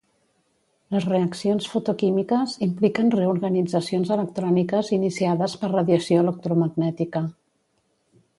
Les reaccions fotoquímiques impliquen reorganitzacions electròniques iniciades per radiació electromagnètica.